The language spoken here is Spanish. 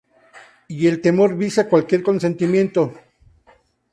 Y el temor vicia cualquier consentimiento.